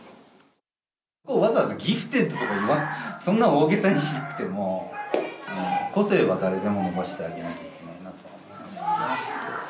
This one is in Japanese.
わざわざギフテッドとかそんな大げさにしなくても、個性は誰でも伸ばしてあげなきゃいけないかなと。